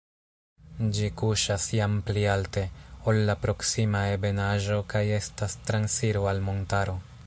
Ĝi kuŝas jam pli alte, ol la proksima ebenaĵo kaj estas transiro al montaro.